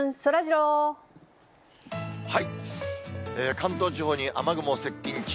関東地方に雨雲接近中。